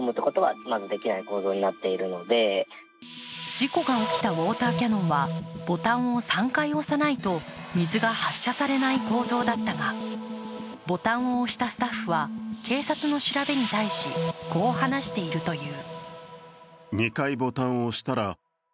事故が起きたウォーターキャノンはボタンを３回押さないと水が発射されない構造だったがボタンを押したスタッフは、警察の調べに対しこう話しているという。